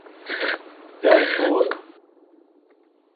jaa in moowaram